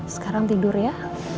sekarang tidur ya